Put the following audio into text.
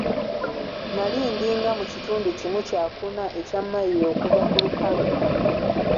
Nnali ndi nga mu kitundu kimu kya kuna ekya mailo okuva ku lukalu.